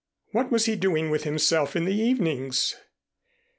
What was he doing with himself in the evenings?